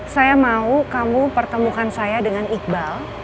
saya mau kamu pertemukan saya dengan iqbal